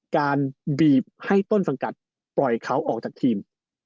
การบีบให้ต้นสังกัดปล่อยเขาออกจากทีม